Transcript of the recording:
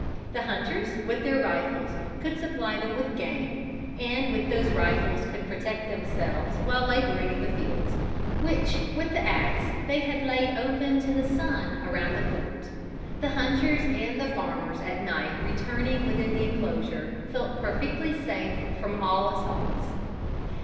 The hunters, with their rifles, could supply them with game, and with those rifles could protect themselves while laboring in the fields, which with the axe they had laid open to the sun around the fort. The hunters and the farmers at night returning within the enclosure, felt perfectly safe from all assaults.